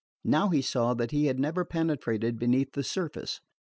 Now he saw that he had never penetrated beneath the surface.